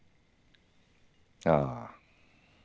ああ。